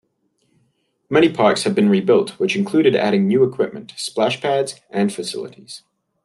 Many parks have been rebuilt which included adding new equipment, splash pads, and facilities.